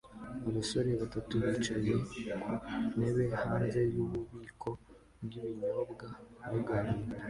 Abasore batatu bicaye ku ntebe hanze yububiko bwibinyobwa baganira